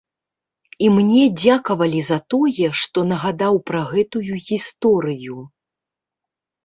І мне дзякавалі за тое, што нагадаў пра гэтую гісторыю.